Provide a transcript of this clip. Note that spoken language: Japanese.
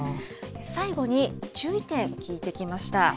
最後に、注意点聞いてきました。